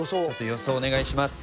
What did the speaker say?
予想お願いします。